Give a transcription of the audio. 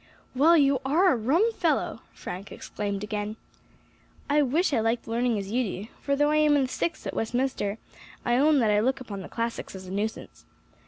"Well, you are a rum fellow!" Frank exclaimed again. "I wish I liked learning as you do, for though I am in the Sixth at Westminster, I own that I look upon the classics as a nuisance.